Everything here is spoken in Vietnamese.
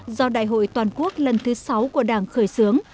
do đại hội toàn quốc lần thứ sáu của đảng khởi xướng